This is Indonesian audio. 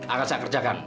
akan saya kerjakan